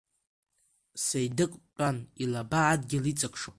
Сеидыҟ дтәан илаба адгьыл иҵакшо.